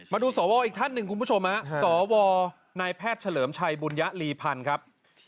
มาดูสวอีกท่านหนึ่งคุณผู้ชมฮะสวนายแพทย์เฉลิมชัยบุญยลีพันธ์ครับ